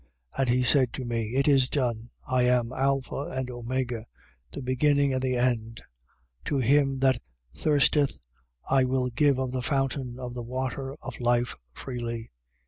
21:6. And he said to me: It is done. I am Alpha and Omega: the Beginning and the End. To him that thirsteth, I will give of the fountain of the water of life, freely.